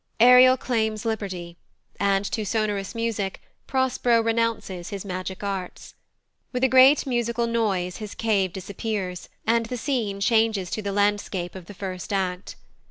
Ariel claims liberty; and, to sonorous music, Prospero renounces his magic arts. With a great musical noise his cave disappears, and the scene changes to the landscape of the first act.